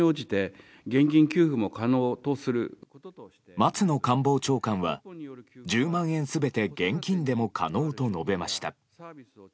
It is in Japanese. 松野官房長官は、１０万円全て現金でも可能と述べました。